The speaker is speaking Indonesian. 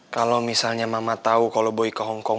kalau misalnya mama tahu kalau boy ke hongkong